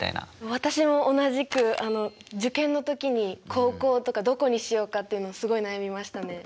私も同じくあの受験の時に高校とかどこにしようかっていうのをすごい悩みましたね。